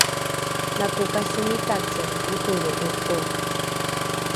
lako kasomikace votolro’o’o